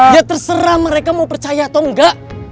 dia terserah mereka mau percaya atau enggak